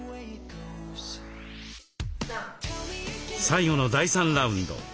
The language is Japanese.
最後の第３ラウンド。